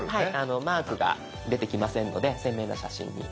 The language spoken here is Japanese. マークが出てきませんので鮮明な写真になっています。